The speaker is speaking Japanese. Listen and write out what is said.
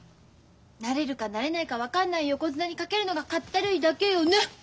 なれるかなれないか分かんない横綱に懸けるのがかったるいだけよね。